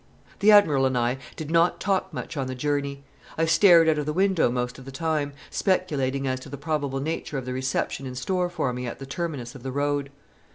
The Admiral and I did not talk much on the journey. I stared out of the window most of the time, speculating as to the probable nature of the reception in store for me at the terminus of the road.